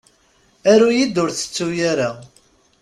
Aru-yi-d, ur tettuy ara!